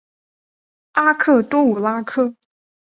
阿克多武拉克。